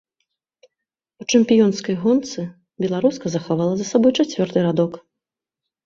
У чэмпіёнскай гонцы беларуска захавала за сабой чацвёрты радок.